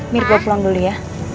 mir gue pulang dulu ya